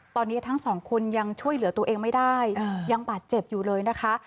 ตอนนี้ทั้งสองคนยังช่วยเหลือตัวเองไม่ได้ยังบาดเจ็บอยู่เลยนะคะ